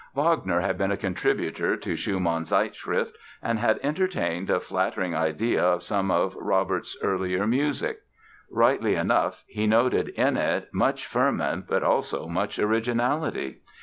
Wagner had been a contributor to Schumann's Zeitschrift and had entertained a flattering idea of some of Robert's earlier music. Rightly enough, he noted in it "much ferment but also much originality".